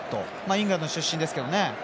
イングランドの出身ですけどね。